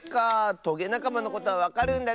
トゲなかまのことはわかるんだね！